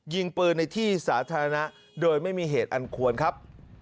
ยิงปืนในที่สาธารณะโดยไม่มีเหตุอันควรครับ